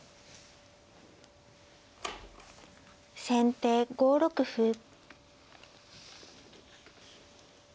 先手５六歩。